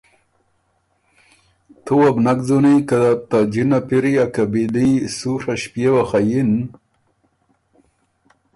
تُو وه بو نک ځُونی که ته جِنه پِری ا قبیلي سُوڒه ݭپيېوه خه یِن